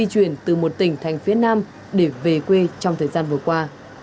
di chuyển từ một tỉnh thành phía nam để về quê trong thời gian vừa qua